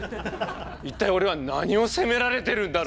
一体俺は何を責められてるんだろう？